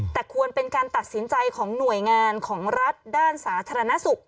แต่ควรเป็นการตัดสินใจของหน่วยงานของรัฐด้านสาธารณสุข